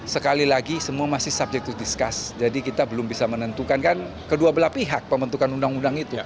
sekali lagi semua masih subject to discuss jadi kita belum bisa menentukan kan kedua belah pihak pembentukan undang undang itu